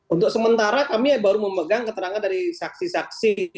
untuk sementara kami baru memegang keterangan dari saksi saksi